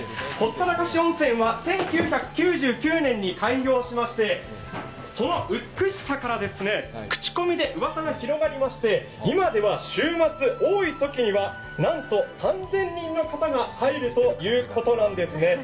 ほったらかし温泉は１９９９年に開業しましてその美しさから口コミでうわさが広がりまして、今では週末、多いときにはなんと３０００人の方が入るということなんですね。